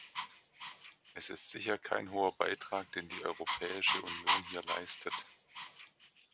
Es ist sicher kein hoher Beitrag, den die Europäische Union hier leistet.